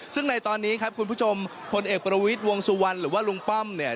ซึ่งในตอนนี้ครับคุณผู้ชมพลเอกประวิทย์วงสุวรรณหรือว่าลุงป้อมเนี่ย